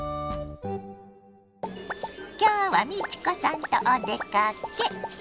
今日は美智子さんとお出かけ。